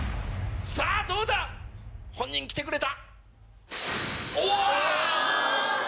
⁉さぁどうだ⁉本人来てくれた。